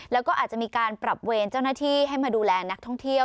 แล้วก็อาจจะมีการปรับเวรเจ้าหน้าที่ให้มาดูแลนักท่องเที่ยว